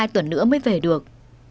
hai tuần nữa mới về được